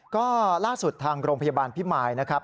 ก็ล่าสุดทางโรงพยาบาลพิมายนะครับ